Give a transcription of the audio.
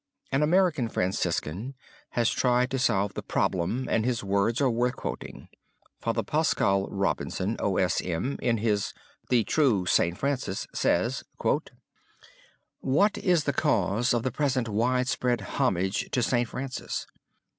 An American Franciscan has tried to solve the problem and his words are worth quoting. Father Paschal Robinson, O. S. M., in his "The True St. Francis" says: "What is the cause of the present widespread homage to St. Francis?